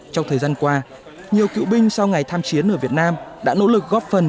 trong thời gian qua nhiều cựu binh sau ngày tham chiến ở việt nam đã nỗ lực góp phần